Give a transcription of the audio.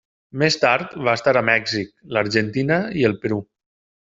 Més tard va estar a Mèxic, l'Argentina i el Perú.